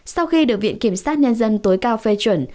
sau khi được viện kiểm sát nhân dân tối cao phê chuẩn